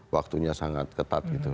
waktunya sangat ketat gitu